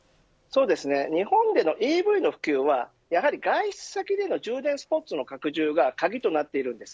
日本でのＥＶの普及はやはり外出先での充電スポットの拡充が鍵となっています。